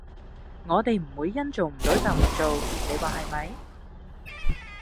我地唔會因做唔到就唔做，你話係咪？